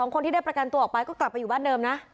คนที่ได้ประกันตัวออกไปก็กลับไปอยู่บ้านเดิมนะ